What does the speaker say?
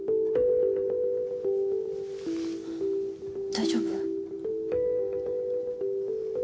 大丈夫？